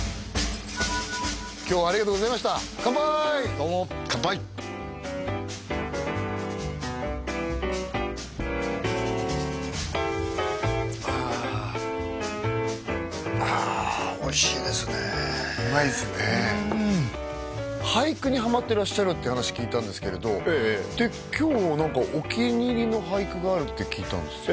今日はありがとうございました乾杯どうも乾杯ああああおいしいですねうまいですね俳句にハマってらっしゃるって話聞いたんですけれど今日なんかお気に入りの俳句があるって聞いたんですよ